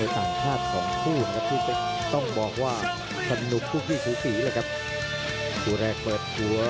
สวัสดีครับทุกคนครับ